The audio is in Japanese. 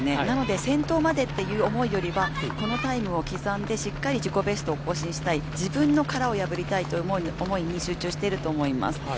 なので先頭までという思いよりはこのタイムを刻んでしっかり自己ベストを更新したい自分の殻を破りたいという思いに集中していると思います。